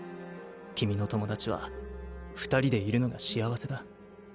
君の友達は二人でいるのが幸せだ。